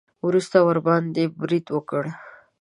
وروسته ورباندې برید وکړي.